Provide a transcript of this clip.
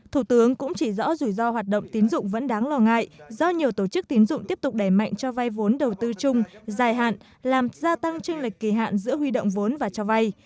thủ tướng cũng chỉ rõ rủi ro hoạt động tín dụng vẫn đáng lo ngại do nhiều tổ chức tín dụng tiếp tục đẩy mạnh cho vai vốn đầu tư chung dài hạn làm gia tăng tranh lệch kỳ hạn giữa huy động vốn và cho vay